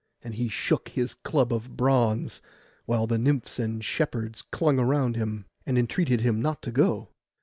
And he shook his club of bronze, while the nymphs and shepherds clung round him, and entreated him not to go.